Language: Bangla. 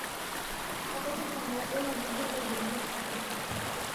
অবশেষে আমরা এই রাজ্যের দুর্বল দিকগুলো কাটিয়ে উঠতে পারবো।